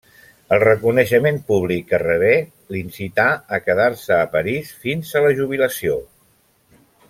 El reconeixement públic que rebé l'incità a quedar-se a París, fins a la jubilació.